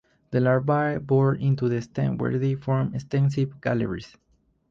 The larvae bore into the stem where they form extensive galleries.